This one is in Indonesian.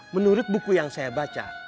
menurut buku yang saya baca